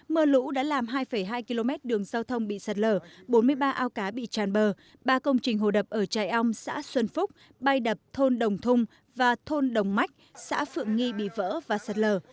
mưa lũ đã làm hai hai km đường giao thông bị sạt lở bốn mươi ba ao cá bị tràn bờ ba công trình hồ đập ở trại ong xã xuân phúc bay đập thôn đồng thung và thôn đồng mách xã phượng nghi bị vỡ và sạt lở